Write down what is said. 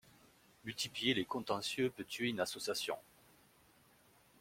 Multiplier les contentieux peut tuer une association.